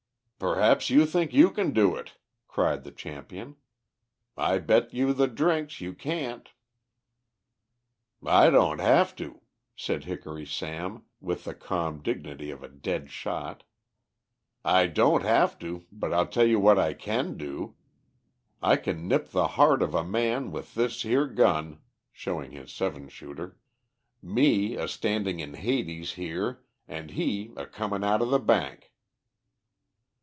"Perhaps you think you can do it," cried the champion. "I bet you the drinks you can't." "I don't have to," said Hickory Sam, with the calm dignity of a dead shot. "I don't have to, but I'll tell you what I can do. I can nip the heart of a man with this here gun" showing his seven shooter, "me a standing in Hades here and he a coming out of the bank."